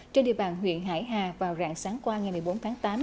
trên địa bàn huyện hải hà vào rạng sáng qua ngày một mươi bốn tháng tám